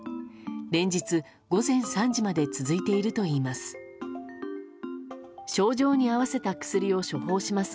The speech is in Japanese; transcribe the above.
連日午前３時まで続いているといいます。